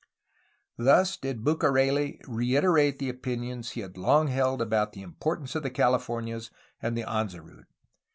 Thus did Bucareli reiterate the opinions he had long held about the importance of the Californias and the Anza route.